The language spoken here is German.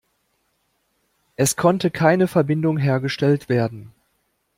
Es konnte keine Verbindung hergestellt werden.